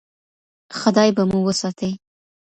خدای به مو وساتي.